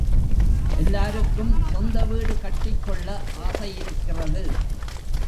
எல்லாருக்கும் சொந்த வீடு கட்டிக் கொள்ள ஆசையிருக்கிறது.